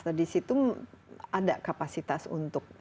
nah di situ ada kapasitas untuk